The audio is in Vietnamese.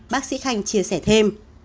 bác sĩ khanh chia sẻ thêm